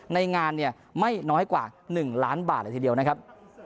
ในงานเนี่ยไม่น้อยกว่า๑ล้านบาทเลยทีเดียวนะครับ